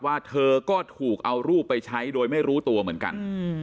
เธอก็ถูกเอารูปไปใช้โดยไม่รู้ตัวเหมือนกัน